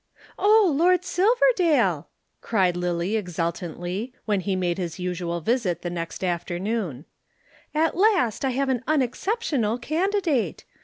"Oh, Lord Silverdale," cried Lillie exultantly when he made his usual visit the next afternoon. "At last I have an unexceptional candidate.